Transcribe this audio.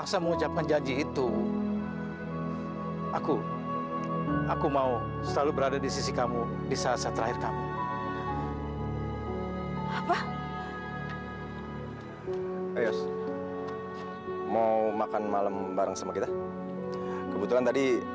sampai jumpa di video selanjutnya